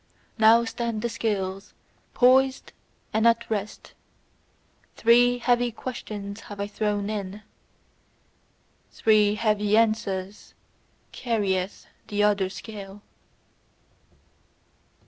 Now stand the scales poised and at rest: three heavy questions have I thrown in; three heavy answers carrieth the other scale.